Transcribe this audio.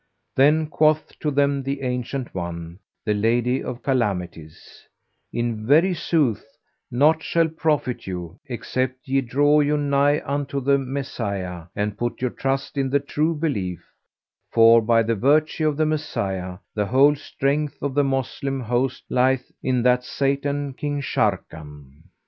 Then quoth to them the ancient one, the Lady of Calamities, "In very sooth nought shall profit you, except ye draw you nigh unto the Messiah and put your trust in the True Belief, for, by the virtue of the Messiah, the whole strength of the Moslem host lieth in that Satan, King Sharrkan."